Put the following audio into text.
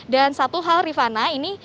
dan satu hal rifana ini